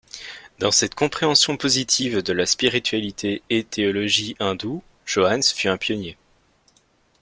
Dans cette compréhension positive de la spiritualité et théologie hindoue Johanns fut un pionnier.